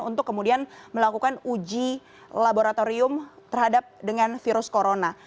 untuk kemudian melakukan uji laboratorium terhadap dengan virus corona